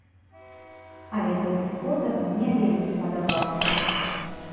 Але гэты спосаб ім не вельмі спадабаўся.